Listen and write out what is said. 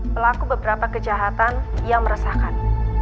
pelaku beberapa kejahatan yang meresahkan